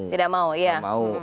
tidak mau iya